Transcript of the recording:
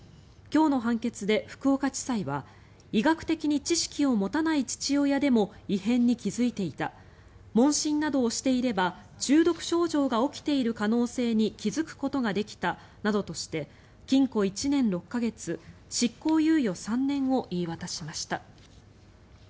今日の判決で福岡地裁は医学的に知識を持たない父親でも異変に気付いていた問診などをしていれば中毒症状が起きている可能性に気付くことができたなどとして禁錮１年６か月執行猶予３年を言い渡しました。